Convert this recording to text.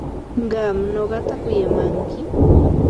¿Qam nuqata kuyamanki?